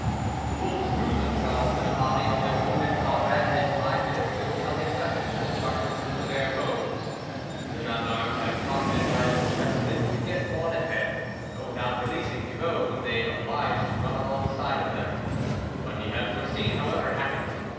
The wolves threw themselves in a body on their wounded comrade, and in five minutes there was nothing left of its carcase but the bare bones. The gen darmes had profited by this respite to get on ahead, but without releasing Thibault, whom they obliged to run alongside of them; what he had foreseen, however, happened.